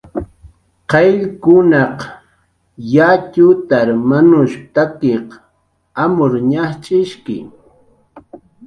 "Qayllkunaq yatxutar manushp""taki amur ñajch'ishki"